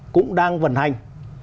cũng đang vận hành